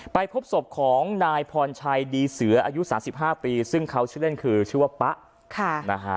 พบศพของนายพรชัยดีเสืออายุ๓๕ปีซึ่งเขาชื่อเล่นคือชื่อว่าป๊ะนะฮะ